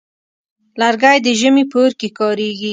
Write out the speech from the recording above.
لرګی د ژمي په اور کې کارېږي.